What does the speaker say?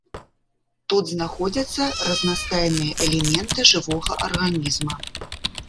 Тут знаходзяцца разнастайныя элементы жывога арганізма.